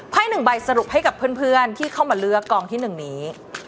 ให้๑ใบสรุปให้กับเพื่อนที่เข้ามาเลือกกองที่๑นี้